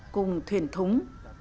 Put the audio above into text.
cùng thuyền thống